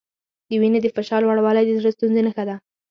د وینې د فشار لوړوالی د زړۀ ستونزې نښه ده.